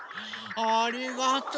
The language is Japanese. ありがとう！う？